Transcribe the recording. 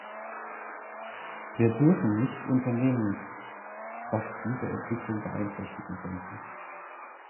Wir dürfen nichts unternehmen, was diese Entwicklung beeinträchtigen könnte.